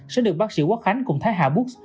sẽ được bác sĩ quốc khánh cùng thái hạ búc